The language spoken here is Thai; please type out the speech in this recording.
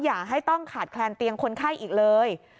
อย่าให้ต้องขาดแคลนเตียงคนไข้อีกเลย